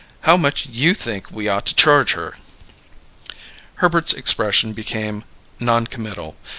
How much you think we ought to charge her?" Herbert's expression became noncommittal.